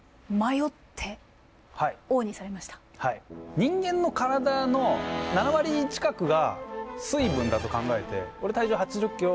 人間の体の７割近くが水分だと考えて俺体重８０ｋｇ